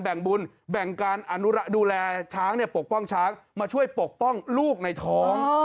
แบ่งบุญแบ่งการอนุระดูแลช้างปกป้องช้างมาช่วยปกป้องลูกในท้อง